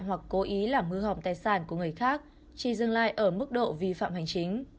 hoặc cố ý làm hư hỏng tài sản của người khác chỉ dừng lại ở mức độ vi phạm hành chính